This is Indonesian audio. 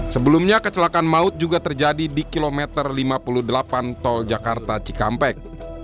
sebelumnya kecelakaan maut juga terjadi di kilometer lima puluh delapan tol jakarta cikampek